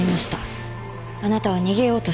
あなたは逃げようとした。